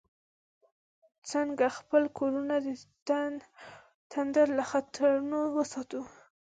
څنګه خپل کورونه د تندر له خطرونو وساتو؟